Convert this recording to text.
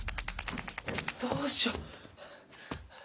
どうしよう。